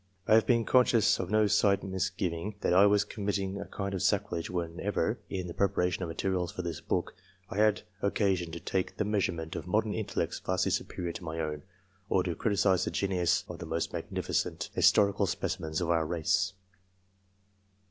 I have been conscious of no slight misgiving that I was committing a kind of sacrilege whenever, in the preparation of materials for this book, I had occasion to take the measurement of modern intellects vastly superior to my own, or to criticise the genius of the most magni ficent historical specimens of our race.